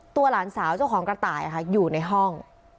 หลานสาวเจ้าของกระต่ายอยู่ในห้อง